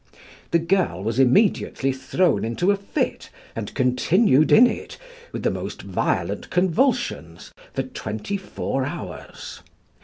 The girl was immediately thrown into a fit, and continued in it, with the most violent convulsions, for twenty four hours.